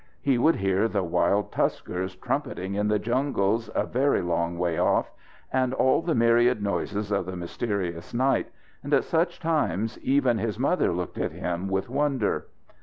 He would hear the wild tuskers trumpeting in the jungles a very long way off, and all the myriad noises of the mysterious night, and at such times even his mother looked at him with wonder.